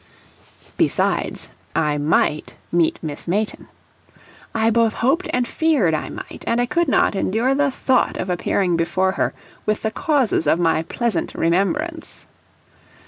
Besides I MIGHT meet Miss Mayton. I both hoped and feared I might, and I could not, endure the thought of appearing before her with the causes of my pleasant REMEMBRANCE.